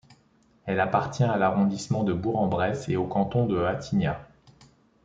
Elle appartient à l'arrondissement de Bourg-en-Bresse et au canton de Attignat.